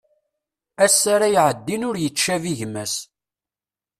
Ass ara iɛeddin ur yettcabi gma-s.